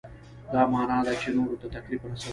دا معنا ده چې نورو ته تکلیف رسوئ.